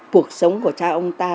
cuộc sống của cha ông ta